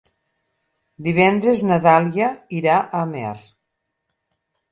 Divendres na Dàlia irà a Amer.